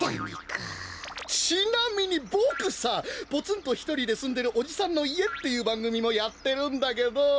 ちなみにボクさ「ポツンとひとりで住んでるおじさんの家」っていうばんぐみもやってるんだけど。